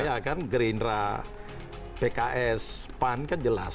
ya kan gerindra pks pan kan jelas